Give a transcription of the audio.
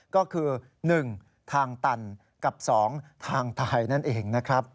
ก็คือ๑ทางตันกับ๒ทางตายนั่นเอง